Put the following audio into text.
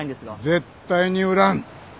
絶対に売らん。